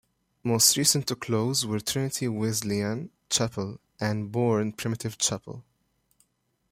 Most recent to close were Trinity Wesleyan Chapel and Bourne Primitive Chapel.